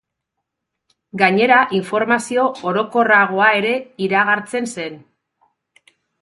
Gainera, informazio orokorragoa ere iragartzen zen.